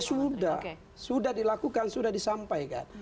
sudah sudah dilakukan sudah disampaikan